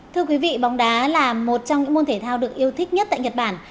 thưa quý vị bóng đá là một trong những môn thể thao được yêu thích nhất tại nhật bản